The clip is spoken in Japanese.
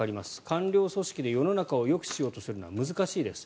官僚組織で世の中をよくしようとするのは難しいです。